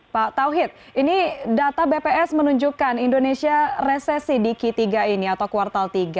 pak tauhid ini data bps menunjukkan indonesia resesi di q tiga ini atau kuartal tiga